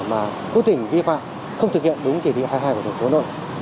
mà quốc tỉnh vi phạm không thực hiện đúng chỉ địa hạn